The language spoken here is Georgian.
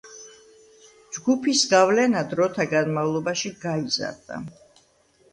ჯგუფის გავლენა დროთა განმავლობაში გაიზარდა.